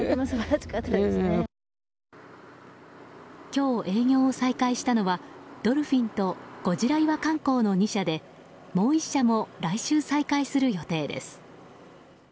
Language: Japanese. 今日営業を再開したのはドルフィンとゴジラ岩観光の２社でもう１社も来週再開する予定です。